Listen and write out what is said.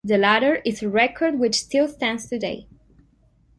The latter is a record which still stands today.